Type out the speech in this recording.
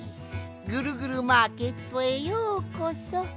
ぐるぐるマーケットへようこそ。